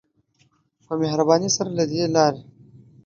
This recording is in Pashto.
په مهربانی سره له دی لاری.